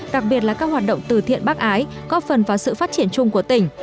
đặc biệt là các hoạt động từ thiện bác ái góp phần vào sự phát triển chung của tỉnh